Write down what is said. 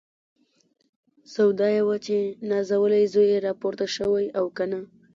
سودا یې وه چې نازولی زوی یې راپورته شوی او که نه.